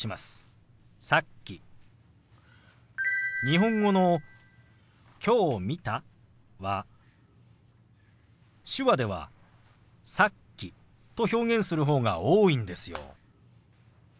日本語の「きょう見た」は手話では「さっき」と表現する方が多いんですよ。